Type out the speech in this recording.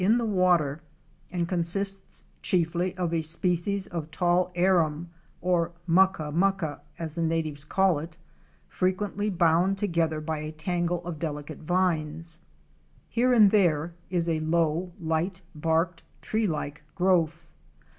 in the water and consists chiefly of a species of tall Arum, or mucka mucka, as the natives call it, frequently bound together by a tangle of delicate vines. Here and there is a low, light barked tree like growth.